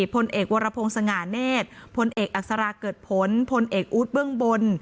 พลเอกวรพงศ์สง่าเนธพลเอกอักษราเกิดผลพลพลเอกอู๊ดเบื้องบน